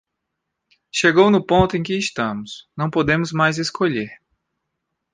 Chegou no ponto em que estamos, não podemos mais escolher.